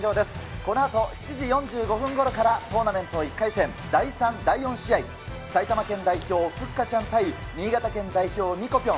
このあと７時４５分ごろからトーナメント１回戦、第３、第４試合、埼玉県代表、ふっかちゃん対、新潟県代表、ミコぴょん。